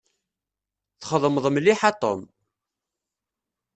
Txedmeḍ mliḥ a Tom.